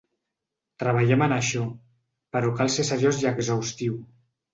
Treballem en això, però cal ser seriós i exhaustiu.